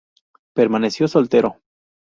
Permaneció soltero.